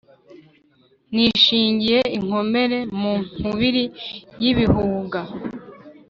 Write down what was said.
nishingiye inkomere mu nkubili y'ibihunga,